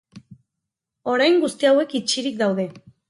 Orain guzti hauek itxirik daude.